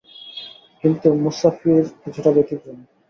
কিন্তু এ মুসাফির কিছুটা ব্যতিক্রম।